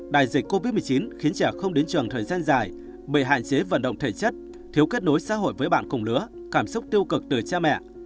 đại dịch covid một mươi chín khiến trẻ không đến trường thời gian dài bởi hạn chế vận động thể chất thiếu kết nối xã hội với bạn cùng lứa cảm xúc tiêu cực từ cha mẹ